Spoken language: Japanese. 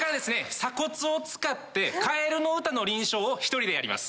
鎖骨を使って「かえるの歌」の輪唱を１人でやります。